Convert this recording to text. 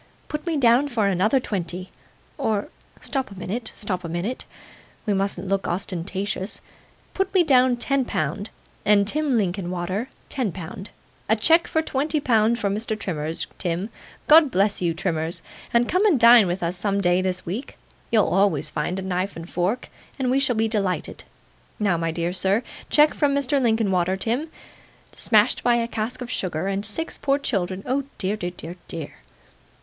'Put me down for another twenty or stop a minute, stop a minute. We mustn't look ostentatious; put me down ten pound, and Tim Linkinwater ten pound. A cheque for twenty pound for Mr. Trimmers, Tim. God bless you, Trimmers and come and dine with us some day this week; you'll always find a knife and fork, and we shall be delighted. Now, my dear sir cheque from Mr. Linkinwater, Tim. Smashed by a cask of sugar, and six poor children oh dear, dear, dear!